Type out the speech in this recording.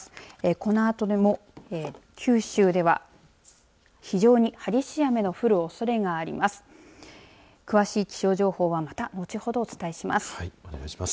このあとでも九州では非常に激しい雨の降るおそれがあります。